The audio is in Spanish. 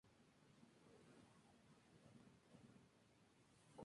Se cree que era un sacerdote y un profeta.